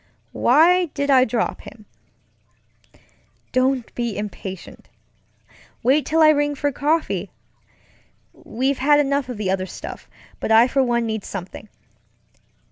Why did I drop him? Don't be impatient. Wait till I ring for coffee. We've had enough of the other stuff, but I for one need something.